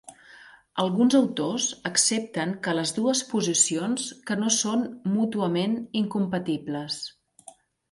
Alguns autors accepten que les dues posicions que no són mútuament incompatibles.